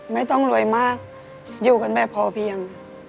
ไม่ต้องรวยมากอยู่กันแบบพอเพียง